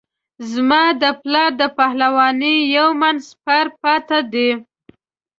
زما د پلار د پهلوانۍ یو من سپر پاته دی.